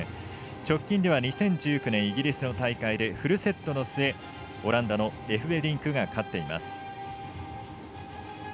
直近では２０１９年のイギリスの大会でフルセットの末オランダのエフベリンクが勝っています。